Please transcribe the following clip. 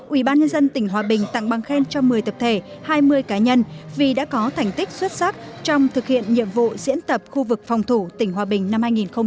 ủy ban nhân dân tỉnh hòa bình tặng bằng khen cho một mươi tập thể hai mươi cá nhân vì đã có thành tích xuất sắc trong thực hiện nhiệm vụ diễn tập khu vực phòng thủ tỉnh hòa bình năm hai nghìn một mươi tám